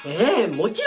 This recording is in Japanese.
もちろん！